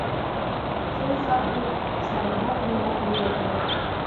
Шул саҡ ул сарылдап илап ебәрҙе.